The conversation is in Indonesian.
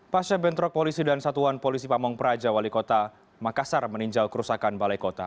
pasca bentrok polisi dan satuan polisi pamung praja wali kota makassar meninjau kerusakan balai kota